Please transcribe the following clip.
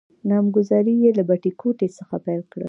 نامګذارې يې له بټې ګوتې څخه پیل کړل.